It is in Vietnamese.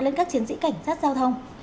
lên các chiến sĩ cảnh sát giao thông